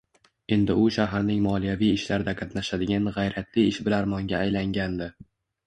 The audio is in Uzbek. Endi u shaharning moliyaviy ishlarida qatnashadigan g`ayratli ishbilarmonga aylangandi